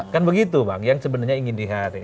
kan begitu bang yang sebenarnya ingin dihindari